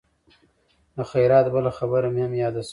د خیرات بله خبره مې هم یاده شوه.